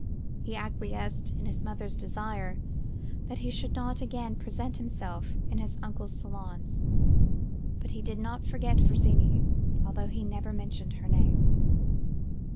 He acquiesced in his mother's desire, that he should not again present himself in his uncle's salons; but he did not forget Virginie, though he never mentioned her name.